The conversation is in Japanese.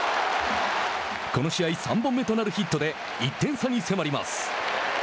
この試合３本目となるヒットで１点差に迫ります。